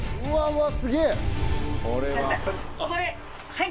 はい。